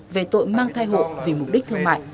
về tội mang thai hộ vì mục đích thương mại